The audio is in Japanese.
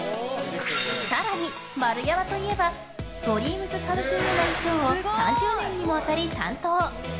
更に、丸山といえばＤＲＥＡＭＳＣＯＭＥＴＲＵＥの衣装を３０年にもわたり担当。